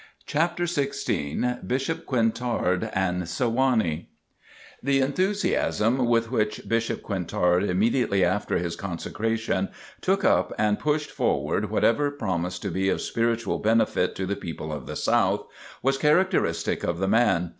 CHAPTER XVI BISHOP QUINTARD AND SEWANEE The enthusiasm with which Bishop Quintard, immediately after his consecration, took up and pushed forward whatever promised to be of spiritual benefit to the people of the South, was characteristic of the man.